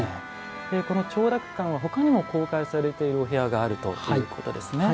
この長楽館は、ほかにも公開されているお部屋があるということですね。